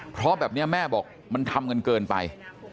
เพราะแบบนี้แม่บอกมันทำกันเกินไป